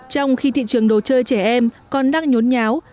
trong khi thị trường đồ chơi trẻ em còn đang nhốn nháo